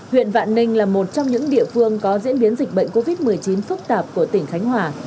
huyện vạn ninh là một trong những địa phương có diễn biến dịch bệnh covid một mươi chín phức tạp của tỉnh khánh hòa